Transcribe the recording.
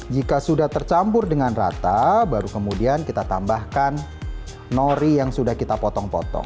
jika sudah tercampur dengan rata baru kemudian kita tambahkan nori yang sudah kita potong potong